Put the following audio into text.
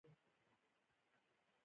د خوست په مندوزیو کې د کرومایټ نښې شته.